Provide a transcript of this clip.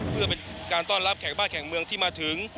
เพื่อเป็นการต้อนรับแขกบ้าแข่งเมืองที่มาถึง